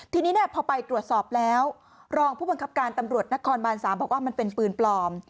ทีนี้พอไปตรวจสอบแล้วรองผู้บังคับการตำรวจนครบาน๓บอกว่ามันเป็นปืนปลอม